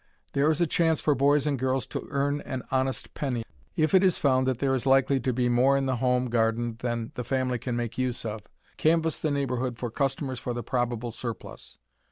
There is a chance for boys and girls to earn an "honest penny." If it is found that there is likely to be more in the home garden than the family can make use of, canvass the neighborhood for customers for the probable surplus.